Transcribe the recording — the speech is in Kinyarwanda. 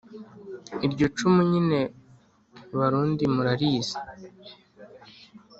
iryo cumu nyine barundi murarizi